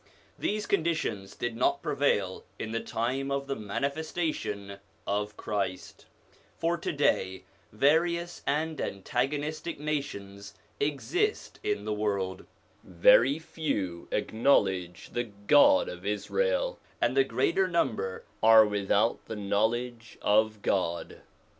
These conditions did not prevail in the time of the manifesta tion of Christ; for to day various and antagonistic nations exist in the world, very few acknowledge the God of Israel, and the greater number are without the knowledge of God.